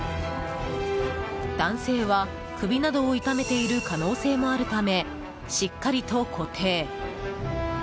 男性は、首などを痛めている可能性もあるためしっかりと固定。